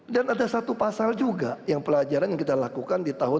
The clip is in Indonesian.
dan ada satu pasal juga yang pelajaran kita lakukan di tahun dua ribu lima belas